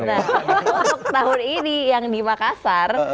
nah untuk tahun ini yang di makassar